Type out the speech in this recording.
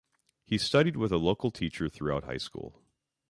He studied with a local teacher throughout high school.